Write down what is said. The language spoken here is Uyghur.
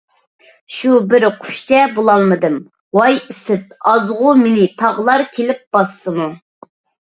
شۇ بىر قۇشچە بولالمىدىم ۋاي ئىسىت، ئازغۇ مېنى تاغلار كېلىپ باسسىمۇ.